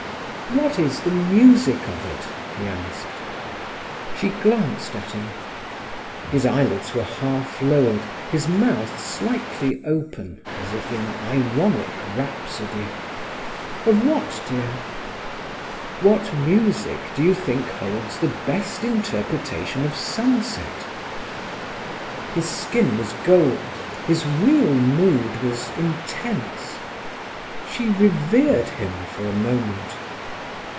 "What is the music of it?" he asked. She glanced at him. His eyelids were half lowered, his mouth slightly open, as if in ironic rhapsody. "Of what, dear?" "What music do you think holds the best interpretation of sunset?" His skin was gold, his real mood was intense. She revered him for a moment.